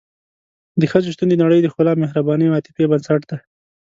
د ښځې شتون د نړۍ د ښکلا، مهربانۍ او عاطفې بنسټ دی.